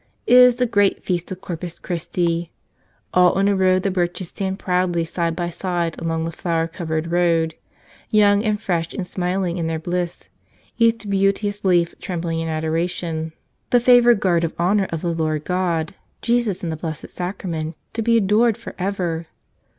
It is the great feast of Corpus Christi. All in a row the Birches stand proudly side by side along the flower covered road, young and fresh and smiling in their bliss, each beauteous leaf trembling in adoration, the favored guard of honor of the Lord God, Jesus in the Blessed Sacrament, to be adored forever!